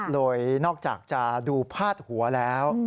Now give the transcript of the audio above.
โดยนอกจากจะดูพาดหัวแล้ว